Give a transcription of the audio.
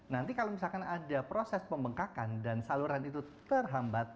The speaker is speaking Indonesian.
nanti kalau misalkan ada proses pembengkakan dan saluran itu terhambat